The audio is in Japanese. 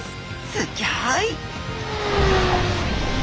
すギョい！